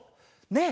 ねえ。